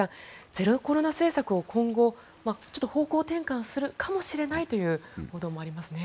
ゼロコロナ政策を今後、ちょっと方向転換するかもしれないという報道もありますね。